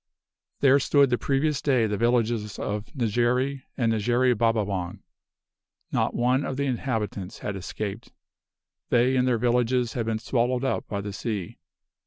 "There stood the previous day the villages of Negery, and Negery Babawang. Not one of the inhabitants had escaped. They and their villages had been swallowed up by the sea.